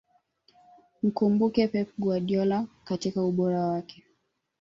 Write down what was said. mkumbuke pep guardiola katika ubora wake